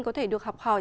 có thể được học hỏi